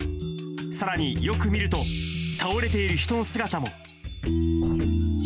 さらによく見ると、倒れている人の姿も。